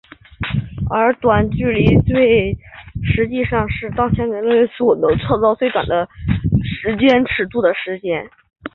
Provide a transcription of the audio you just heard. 而超短激光脉冲实际上是当前人类所能创造的最短时间尺度的事件。